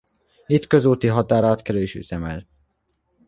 Itt közúti határátkelő is üzemel.